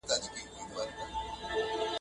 مشوره اخیستل اړین دي.